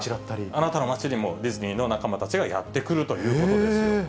あなたの街にもディズニーの仲間たちがやって来るということですよ。